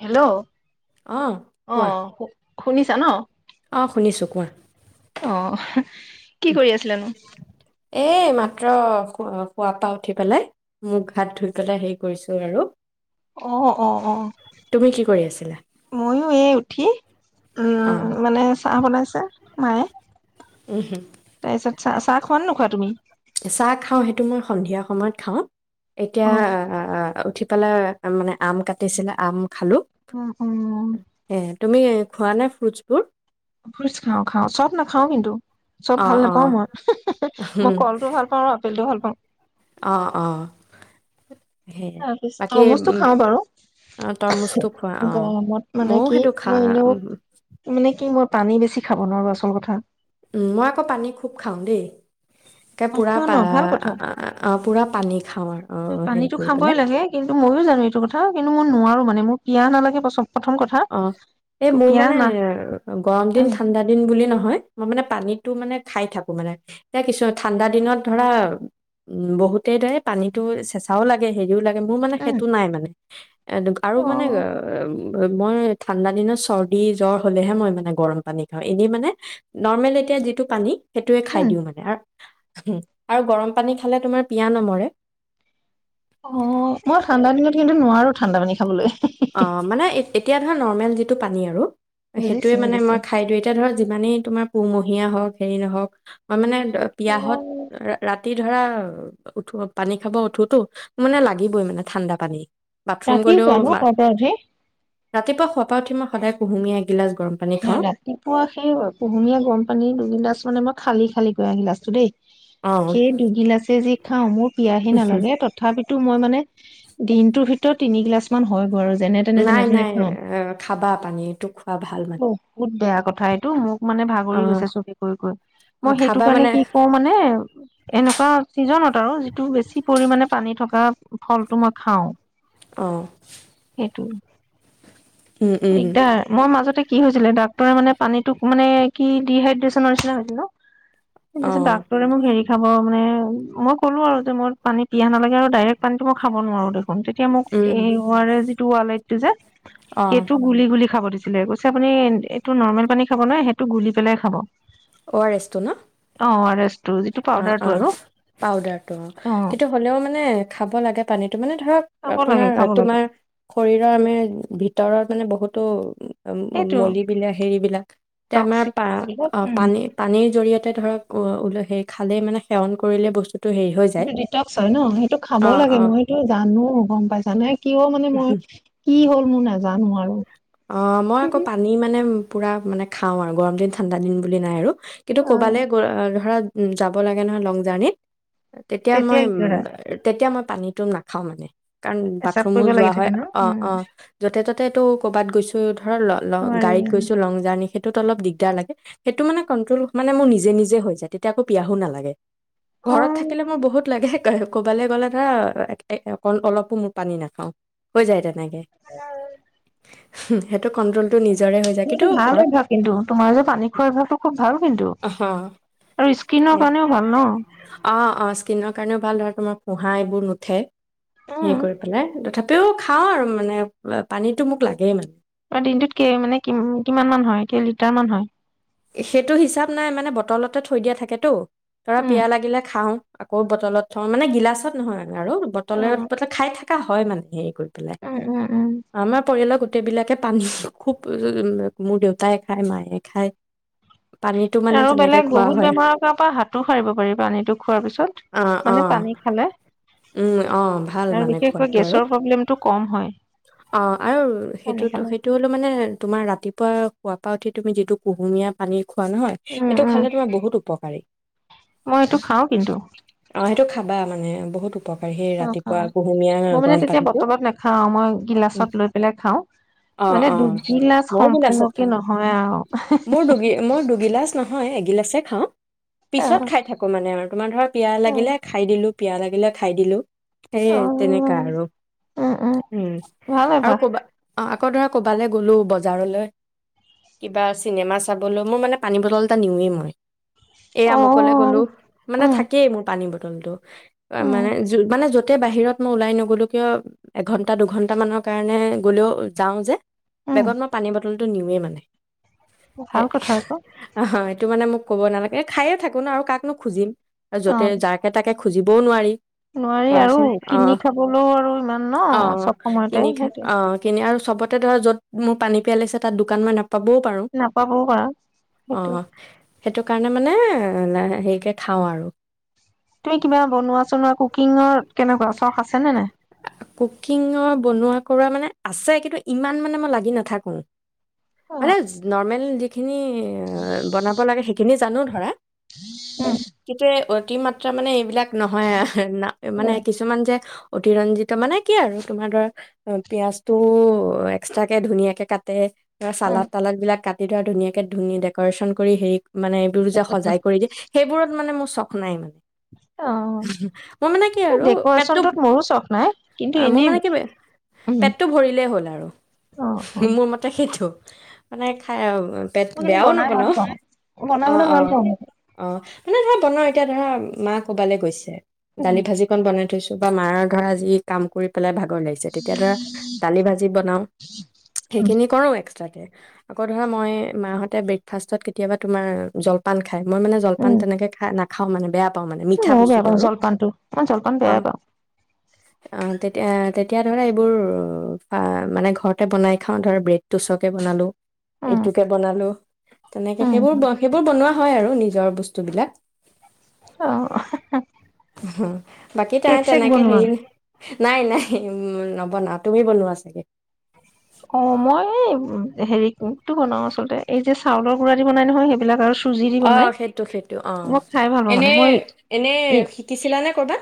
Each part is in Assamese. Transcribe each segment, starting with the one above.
হেল্ল' অঁ কোৱা অহ শুনিছা ন? অঁ, শুনিছোঁ, কোৱা। অ কি কৰি আছিলানো? এই এইমাত্ৰ শুৱাৰ পৰা উঠি পেলাই মূখ হাত ধুই পেলাই হেৰি কৰিছো আৰু। অ অ অ তুমি কি কৰি আছিলা মইয়ো এই উঠি উম, অঁ মানে চাহ বনাইছে। মায়ে। তাৰপিছত চাহ, চাহ খোৱ নে নোখোৱা তুমি? চাহ খাওঁ সেইটো মই সন্ধিয়া সময়ত খাওঁ অ এতিয়া উঠি পেলাই মানে আম কাটিছিলে আম খালোঁ উম, উম এ তুমি খোৱা নাই ফ্ৰুটছবোৰ। ফ্ৰুটচ খাও খাও চব নাখাও কিন্তু। চব অঁ ভাল অঁ নোপাও, মই-মই কলটো ভাল পাওঁ আৰু আপেলটো ভাল পাওঁ। অ অ তাৰপিছত তৰমুজটো খাও বাৰু তৰমুজটো খোৱা অঁ গৰমত মানে ময়ো কি সেইটো খা মই এনেও মানে কি মই পানী বেছি খাব নোৱাৰো, আচল কথা। উম, মই আকৌ পানী খুব খাওঁ দেই। একে অ পুৰা খোৱা পা ন ভাল কথা। অ পুৰা পানী খাওঁ আৰু অ হেৰি পানীটো কৰি খাবই পেলাই লাগে কিন্তু ময়ো জানো এইটো কথা কিন্তু মই নোৱাৰো মানে মানে মোৰ পিয়াহ নালাগে পচন্দ অ, এই মোৰ মানে গৰম দিন উম ঠাণ্ডা দিন বুলি নহয় মই মানে পানীত টো মানে খাই থাকো মানে এতিয়া কিছু ঠাণ্ডা দিনত ধৰা উম বহুতে দৰে পানীতটো চেচাও লাগে সেই সিয়ো লাগে মোৰ মানে উম সেইটো নাই মানে এনেকোৱা আৰু অ মানে মই ঠাণ্ডা দিনত চৰ্দি জ্বৰ হ'লেহে মই মানে গৰম পানী খাওঁ এনেই মানে নৰ্মেল এতিয়া যিটো পানী সেইটোৱে খাই উম দিওঁ মানে আৰু আৰু গৰম পানী খালে তোমাৰ পিয়া নমৰে অঁ মই ঠাণ্ডা দিনত কিন্তু নোৱাৰো ঠাণ্ডা পানী খাবলৈ অঁ মানে এতিয়া ধৰ নৰ্মেল যিটো পানী আৰু বুজিছো সেইটোৱে মানে বুজিছো মই খাই দিওঁ এতিয়া ধৰ যিমানেই তোমাৰ কুমহীয়া হওঁক হেৰি নহওঁক অঁ মানে পিয়াহত ৰাতি ধৰা উঠো পানী খাব উঠোতো মানে লাগিবই মানে ঠাণ্ডা পানী বাথৰুম ৰাতি গ'লেও চোৱা ন মা- কপৰতহে ৰাতিপুৱা শুৱাৰ পৰা উঠিই সদায় কুহুমীয়া আহি ৰাতিপুৱা সেই কুহুমীয়া গৰম পানী দুগিলাছ মানে মই খালি খালি আহিল আছো দেই অ' সেই দুগিলাচে যি খাওঁ মোৰ পিয়াহে নালাগে তথাপি মই মানে দিনটোৰ ভিতৰত তিনিগিলাচ মান হয় গৈ আৰু যেনে তেনে যেনে নাই তেনে নাই খাওঁ খাবা পানী তোৱা খোৱা ভাল মানে বহুত বেয়া কথা এইটো মোক মানে ভাগৰি অ' গৈছে চবে কৰি কৈ কৈ মই সেইটো খাবা কাৰণে মানে কি কওঁ মানে এনেকুৱা চিজনত আৰু যিটো বেছি পৰিমানে পানী থকা ফলটো মই খাওঁ অঁ টো দিগদাৰ মই মাজতে কি হৈছিলে ডাক্তৰে মানে পানীতোক মানে কি ডিহাইড্ৰেছনৰ নিচিনা হৈছিল ন তেন্ত অ' ডাক্তৰে মোক হেৰি খাব মানে মই ক'লো আৰু যে মই পানী পিয়াহ নালাগে আৰু ডাইৰেক্ট পানীতো মই খাব নোৱাৰো দেখ তেতিয়া মোক উম এই হ টোৱালাইটো যে অ' সেইটো গুলি গুলি খাব দিছে কৈছে আপুনি এইটো নৰ্মেল পানী খাব ন সেইটো গুলি পেলাই খাব অ' আৰ এছ টো ন অ আৰ এছ টো যিটো অঁ পাউদাৰটো অঁ আৰু পাউদাৰটো অঁ অ কিন্তু হ'লেও মানে খাব লাগে পানীটো মানে ধৰক খাব লাগে আপোনাৰ খাব লাগে তোমাৰ শৰীৰৰ আমি ভ ভিতৰত মানে বহুতো সেইটো মলি বিলাক হেৰিবিলাক সেয়া আমাৰ টক্সিক প বিলাক উম পানী পানীৰ জৰিয়তে ধৰক উল সেই খালে মানে সেৱন কৰিলে বস্তু সটো ডটক্স হয় ন সেইটো খাব অ', লাগে অ', মইটো জানো গম পাইছানে কিয় মানে মই কি হ'ল মো নাজানো আৰু অ মই আকৌ পানী মানে পূৰা মানে খাওঁ আৰু গৰম দিন ঠাণ্ডা দিন বুলি নাই আৰু কিন্তু অ কবালে গ ধৰা উ যাব লাগে নহয় লং জাৰ্ণিত তেতিয়া মই কি উ কৰা তেতিয়া মই পানীটো নাখাওঁ মানে কাৰণ পেচাব বাথৰুমো কৰিব লাগি যোৱা থাকে হয় ন অ উম অ য'তে ত'তে তটো কবাত গৈছো ধৰ ল নোৱাৰি গাড়ীত গৈছো লং জাৰ্ণি সেইটোত অলপ দিগদাৰ লাগে সেইটো মানে কণ্ট্ৰল মানে মোৰ নিজে নিজে হৈ যায় তেতিয়া আকৌ পিয়াহো নালাগে অ ঘৰত থাকিলে মোৰ বহুত লাগে ক'বালৈ গ'লে ধৰা অ অলপো মোৰ পানী নাখাও হৈ যায় ত অ সেইটো কন্ট্ৰল টো ভাল অভ্যাস কিন্তু তোমাৰ যে পানী খোৱাৰ অভ্যাসটো খুব ভাল কিন্তু অঁ আৰু স্কিনৰ কাৰণেও ভাল ন অঁ অঁ স্কিনৰ কাৰণেও ভাল ধৰা তোমাৰ পোঁহা এইবোৰ নুঠে সে উম কৰি পেলাই তথাপি তও খাওঁ আৰু মানে পানীত টো মোক লাগে মানে দিনটোত ক মানে কি কিমান মান হয় কেই লিটাৰ মান হয় সেইটো হিচাপ নাই মানে বটলতে থৈ দিয়া থাকেতো ধৰা উম পিয়াহ লাগিলে খাওঁ আকৌ বটলত থওঁ মানে গিলাচত নহয় আৰু বটলে উম ব খাই থাকে হয় মানে হেৰি কৰি পাই উম উম উম আমাৰ পৰিয়ালৰ গোটেইবিলাকে পানী খুব মোৰ দেউতাই খায় মায়ে খায় পানীতটো মানে আৰু তেনেকে বেলেগ খোৱা বহুত হয় বেমাৰৰ কাৰ পৰা হাতো সাৰিব পাৰি পানীটো খোৱাৰ পিছত। অ অ মানে পানী খালে উম অ ভাল আৰু মানে বিশেষকৈ খোৱাটো আৰু গেছৰ প্ৰব্লেমটো কম হয় অ আৰু পানী সেইটো খালে। সেইটো হলো মানে তোমাৰ ৰাতিপুৱা খোৱা তুমি যদি কুহুমীয়া পানীত খোৱা নহয় উম, সেইটো উম, খালে তোমাৰ বহুত উপকাৰী মই এইটো খাওঁ কিন্তু আহ সেই খাবা মানে বহুত উপকাৰী সেই অ ৰাতিপুৱা কুহুমীয়া মই মানে গৰম তেতিয়া পানীটো বটলত নাখাও আৰু মই উম, গিলাচত লৈ পেলাই খাও অ মানে অ দুগিলাচ ময়ো গিলাচত সম্পূৰ্ণকে খাওঁ নহয় আৰু মোৰ দু মোৰ দুগিলা নহয় এগিলাছে খাওঁ পিছত অ', খাই থাকো মানে তোমাৰ ধৰা পিয়া লাগিলে খাই দিলোঁ পিয় লাগিলে খাই দিলোঁ সেইয়ে তেনেকা আৰু উম ভাল আৰু অভ্যাস কবা অ আকৌ ধৰা কবালৈ গ'লো বজাৰলৈ কিবা আ চিনেমা চাবলৈ মোৰ মানে পানী বটল এটা নিওঁৱেই মই এ অ', আমুকলৈ গলো মানে উম, থাকেই মোৰ পানী ব টো মানে উম, মানে য'তে বাহিৰত মই ওলাই নগলো কিয় এঘন্টা দুঘন্টা মানৰ কাৰণে গ'লেও যাও যে উম, বেগত মই পানী বটল টো নিওে মানে ভাল কথা আকৌ অ সেইটো মানে মোক ক'ব নালাগে খায়ে থাকো ন আৰু কাকনো খুজিম য'তে অ', যাকে তাকে খুজিবও নোৱাৰি নোৱাৰি আৰু ধৰাচোন অ কিনি খাবলৈও আৰু ইমান ন অ চব সময়তে কিনি খাই সেইটোে অ কিনি আৰু চবতে ধ য'ত মোৰ পানী পিয়াই লিছে তাত দোকান মই নাপাবো নাপাবও পাৰ সেইটো সেইটো কাৰণে মানে হেৰিকে খাওঁ আৰু তুমি কিবা বনোৱাছ ন কুকিঙৰ কেনেকুৱা চখ আছেনেে নাই কুকিঙৰ বনোৱা কৰা মানে আছে কিন্তু ইমান মানে মই লাগি নাথাকো মানে অ', নৰ্মেল [unintelligible] খিনি বনাব লাগে সেইখিনি জানো ধৰা কিতিয়া অতি মাত্ৰ তাৰমানে এইবিলাক নহয়া মানে কিছুমান যে অতি ৰঞ্জিত মানে কি আৰু তোমাৰ ধৰা পিয়াজটো এক্সট্ৰাকে ধুনীয়াকে কাটে ত চালাদ তালাদ বিলাক কাট তেটোৰা ধুনীয়াকে ধুন ডেক'ৰেশ্যন কৰি হেৰি মানে দুজ সজাই কৰি দে সেইবোৰত মানে মোৰ নাই মানে অ মোৰ মানে ডেকৰেচন ত মোৰো চখ নাই কিন্তু অ মোৰ এনেই মানে ক উম, পেটটো ভৰিলেই হ'ল আৰু অ', অ', মোৰ মতে স মানে খাই পেট মই কিন্তু বেয়াও বনাই নবনা ভাল পাওঁ। অ অ উম, অ মানে ধ পনৰ এতিয়া ধৰা মা ক'ৰবালৈ গৈছে দালি ভাজি কন বনাই থৈছো তপা মাৰ ঘৰ আজি কাম কৰি পেলাই ভাগৰ লাগিছে তেতিয়া ধৰা দালি ভাজি বনাও সেইখিনি কৰো এক্সট্ৰ আকৌ ধৰা মই মাহতে ব্ৰেকফাষ্টত কেতিয়াবা তুমাৰ জলপান খাই মই মানে জলপান তেনেক খাই না খাওঁ মানে বেয়া পাওঁ মানে উম মিঠা ন বে বস্তুটো পাৰ আৰু স্বলপনটো মন স্বলপন অ বয়া পা [unintelligible] তেতিয়া তেতিয়া ধৰা এইবোৰ মানে ঘৰতে বনাই খাওঁ ধৰা ব্ৰেডটোচকে বনালোঁ উম, এইটোকে বনালো তেনেকে সেইবোৰ উম, ব সেইবোৰ বনোৱা ব আহ হা বাকী তাই তেনেকে হেৰি ন নাই নাই উ নবনা তুমি বনোৱা চাগে অ মই হেৰিতটো বনাও আচল্ততে এই যে চাউলৰ গুৰা দি বনাই নহয় সেইবিলাক আৰু চুজি দি অ বনাই সেইটো সেইটো অ মই খাই ভাল পাওঁ মানে এনে এনে মই শিকিছিলানে কৰ'বাত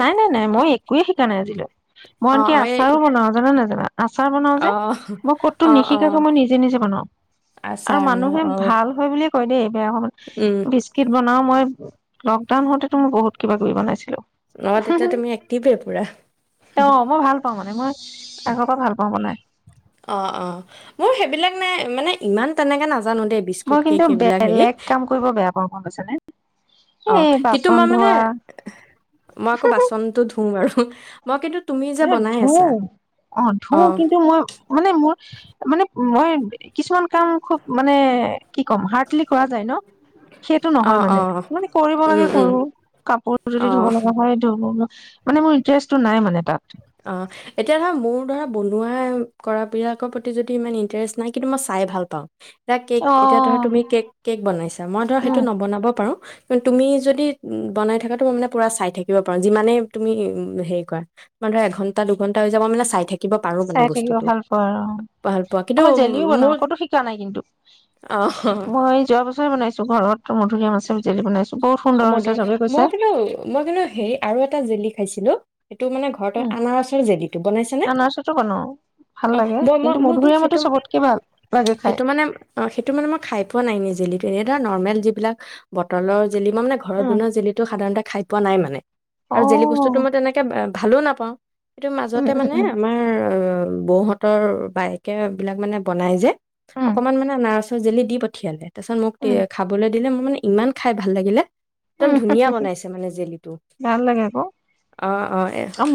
নাই নাই নাই মই একোৱে শিকা নাই আজিলৈ অ মইনকি অ এই আচাৰো বনাও জানা নে জানা আচাৰ বনাও যে অ মই ক'তো অ অ নিশিকাকৈ মই নিজে নিজে বনাও আৰু আচাৰ ন মানুহে অ ভাল হয় বুলি হয়নে বেয়া হ উম বিস্কিট বনাও মই লকডাউন হতেতো মই বহুত কিবা ক বনাইছিলো ন তেতিয়া তুমি এক্টিভে পুৰা অ মই ভাল পাওঁ মানে মই আগৰ পৰা ভাল পাওঁ ব নাই অ অ মোৰ সেইবিলাক নাই মানে ইমান তেনেকে না মই কিন্তু বেলেগ কাম কৰিব বেয়া পাওঁ ক ক আছে নে অ কিন্তু মই মানে মই আকৌ বাচনতটো ধুওঁ বাৰ মই কিন্তু তুমি ন যে বনাই ধু আছা অ ধু কিন্তু মই মানে মোৰ মানে মই কিছুমান কাম খুব মানে কি ক'ম হাৰ্ডলি কৰা যায় ন সেইটো অ নহয় মানে অ মানে কৰিব লগাগে উম, উম, কৰো কাপোৰ যদি ধুব অ', লগা হয় ধুব মানে মোৰ ইণ্টাৰেষ্টটো নাই মানে তাত অ এতিয়া ধৰা মোৰ ধৰা বনোৱা কৰা বিলাকৰ প্ৰতি যদি ইমান ইন্টাৰেষ্ট নাই কিন্তু মই চাই ভাল পাওঁ এা কেক এতিয়া ধৰৰা অ', তুমি কেক কেক বনাইছা মই ধৰা সেইটো উম নবনাব পাৰো তুমি যদি বনাই থাকটো মই মানে পুৰা চাই থাকিব পাৰো যিমানে তুমি উ হেৰি কৰা মান ধ এঘন্টা দুঘণ্টা হৈ যাব মানে চাই থাকে চাই থাকিব ভাল পোৱা ভাল পোৱা আৰু কিন্তু মই উম, জেলিও বনাওঁ মোৰ ক'তো শিকা নাই কিন্তু অ', মই যোৱা বছৰে বনাইছো ঘৰত ত মধুৰিআম মছে জেল বাইছো অ মুৰ মই কিন্তু মই কিন্তু হেৰি আৰু এটা জেলি খাইছিলো সেইটো মানে ঘৰ উম আনাৰসৰ জেলটো বনাই আনাৰচতো বনাও ভাল অ লাগে ম কিন্তু মধুৰিআমতো মটো চবতকে ভাল লাগে খাই মানে সেইটো ম ম ন জ ন যিবিলাক বটলৰ জেলি মাৰানে ঘৰত উম বুনা জেলিটো সাধাৰণতে খাই পোৱা নাই মানে অ আৰু জেলি বস্তুতটো মই তেনেকে ভালো নাপাওঁ সটো উম মাজতে উম মানে উম আমাৰ বৌহঁতৰ বায়কেবিলাক মানে বনাই যে উম অকমান মানে নাচ চজেলি দি পঠিয়ালে তাৰপিছত মোক উম খাবলৈ দিলে মই মানে ইমান খাই ভাল লাগিলে একদম ধুনীয়া বনাইছে মানে জেলিটো ভাল লাগে আকৌ অ অ এ আৰু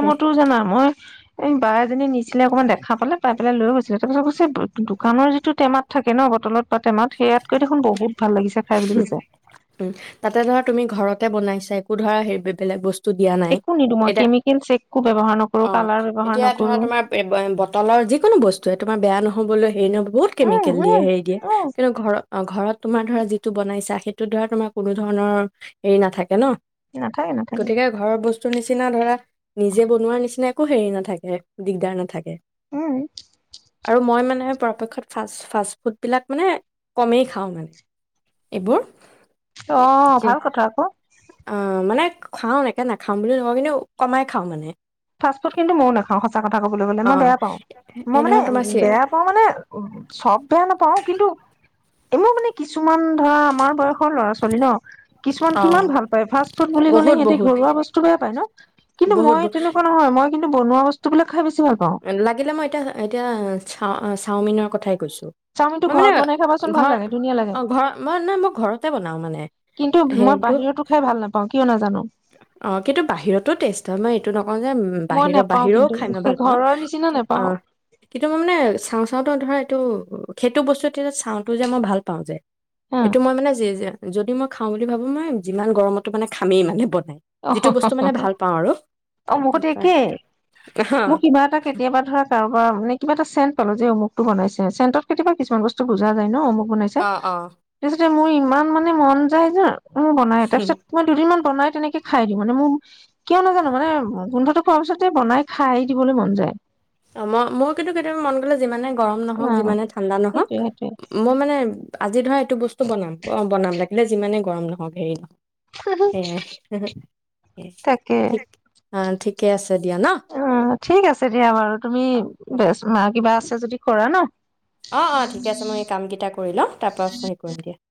সেই- জানা মই এই বা এজনী নিচে অকণমান দেখা পালে পাত পেলাই লৈ গৈছিলে তাৰপিছত কৈছে দোকানৰ যিটো টেমাত থাকে ন বটলত বা টেমাত সেয়াত কৈ দেখোন বহুত ভাল লাগিছে খাই বুলি কৈছে উম, তাতে ধৰা তুমি ঘৰতে বনাইছা একো ধৰা হে বেলেগ বস্তু দিয়া নাই একো নিদো মই এটা কেমিকেল একো ব্যৱহাৰ নকৰো অ কালাৰ ব্যৱহাৰ এতিয়া ধৰক নকৰো আমাৰ যিকোনো বস্ত তোমাৰ বেয়া নহবলেদিয়া নাই এতিয়া অ [unintelligible] ৰেনো বহুত উম কেমিকেল দিয়ে উম হেৰি দিয়ে উম কিন্তু ঘৰত ঘৰত তোমাৰ ধৰা যিটো বনাইছে সেইটোৰ ধৰা তোমাৰ কোনো ধৰণৰ হেৰি নাথাকে ন না থাকে না থাকে তোৰ নিচিনা ধৰা নিজে বনোৱাৰ নিচিনাই একো হেৰি নাথাকে দিগদাৰ নাথাকে উম আৰু মই মানেহে পক্ষত ফা ফা ফুড বিলাক মানে কমেই খাওঁ মানে এইবোৰ অ ভাল যে- কথা আকৌ অ মানে খাওঁ একে নাখাম বুলি নহয় কিন্তু কমাই খাওঁ মানে ফাষ্ট ফুড কিন্তু মই নাখাওঁ সঁচা কথা কবলৈ গলে অ মই বেয়া পাওঁ মই এই মানে ধৰা তোমাৰ চি বেয়া পাওঁ মানে চব বেয়া নাপাওঁ পাওঁ কিন্তু এনেৰও মানে কিছুমান ধৰা আমাৰ বয়সৰ ল'ৰা ছোৱালী ন কিছুমান অ কিমান ভাল পায় ফাষ্ট ফুড বুলি ক'লে বহুত সিঁহতে বহুত ঘৰুৱা বস্তু বেয়া পায় ন কিন্তু বহুত মই তেনেকুৱা নহয় মই কিন্তু বনো বস্তু বিলাক খাই ভাল পাওঁ লাগিলে মই এতিয়া এতিয়া চা চাওমি কথাই কৈছো চাওমিনটো মই মানে ঘৰত বনাই খাবাচোন ভাল ঘৰ লাগে ধুনীয়া লাগে অ ঘৰ মই নাই মই ঘৰতে বনাও মানে কিন্তু মই সেইটো বাহিৰতো খাই ভাল নাপাওঁ কিয় নাজানো অ কিন্তু বাহিৰতো টেষ্ট হয় মই এইটো নকওঁ যে মই বাহিৰৰ নেপাওঁ বাহিৰৰেও কিন্তু খাই মই ভাল পাওঁ ঘৰৰ নিচিনা অ নেপাওঁ কিন্তু মই মানে চাওঁ চাওঁতে ধৰা এইটো উ সেইটো বস্তুাতো চাওঁতো যে মই ভাল পাওঁ যে হা সেইটো মই মানে যি যে যদি মই খাওঁ বুলি ভাবো মই যিমান গৰমতো মানে খামেই মানে বনাই অহু যিটো বস্তু মানে ভাল পাওঁ আৰু অহু মইতো তাৰপৰা একেই মোক কিবা এটা কেতিয়াবা ধৰা কাৰোবাৰ মানে কিবা এটা চেণ কল যে অমুটো বনাইছে চেটত কেতিাবা কিছুমানবস্তু বুজা য ন অমুক টো বনাই গুনাইছে অ অ যে মোৰ ইমান মানে মন যায় জ উ বনাই অ তাৰপিছত মই দুদিনমান বনাই তেনেকে খাই দিওঁ মানে মোক কিয় নাজানো মানে গোন্ধটো খোৱাৰ পিছতে বনাই খাই দিবলৈ মন যায় অ মই মোৰ কিন্তু কেতিয়াবা মন গলে যিমানে গৰম অ নহওক যিমানে ঠাণ্ডা নহওক সেইটোৱে মই মানে আজি ধৰা এইটো বস্তু বনাম অ বনাম লাগিলে যিমানে গৰম নহওক হেৰি নহওক সেইটোৱে সেয়াই ঠিক অ ঠিকে আছে দিয়া ন উ ঠিক আছে দিয়া বাৰু তুমি অ বেচ মাক কিবা আছে যদি কৰা ন অ অ ঠিক আছে মই এই কাম কেইটা কৰি লওঁ তাৰ পৰা হেই কৰিম দিয়া